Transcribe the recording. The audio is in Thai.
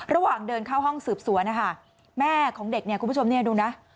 ระหว่างเดินเข้าห้องสืบสวนนะคะแม่ของเด็กเนี่ยคุณผู้ชมเนี่ยดูนะ